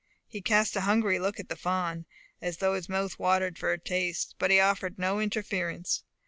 He cast a hungry look at the fawn, as though his mouth watered for a taste, but he offered no interference.